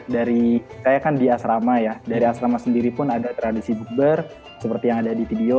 dari saya kan di asrama ya dari asrama sendiri pun ada tradisi bukber seperti yang ada di video